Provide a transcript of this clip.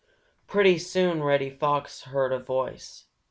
Pretty soon Reddy Fox heard a voice.